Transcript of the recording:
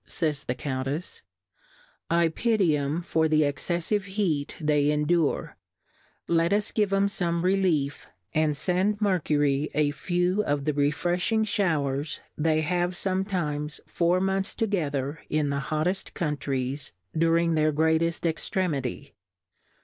Says the Comitefs ; I pity 'em for the exceflive Heat they endure , let us give 'em fome relief, and fend Mer cury a few of the refrefliing Showers they have fometimes four Months to gether, in the hotteft Countries, during their greateft Extremity.